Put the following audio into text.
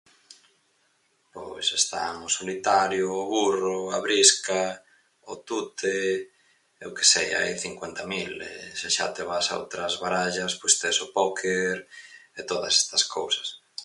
Pois están o solitario, o burro, a brisca, o tute. Eu que sei, hai cincuenta mil e se xa te vas a outras barallas pois tes o póker e todas estas cousas.